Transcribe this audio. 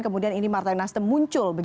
kemudian ini partai nasdem muncul